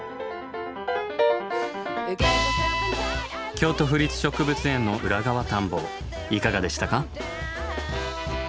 京都府立植物園の裏側探訪いかがでしたか？